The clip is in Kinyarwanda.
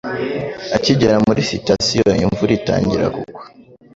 Akigera kuri sitasiyo, imvura itangira kugwa.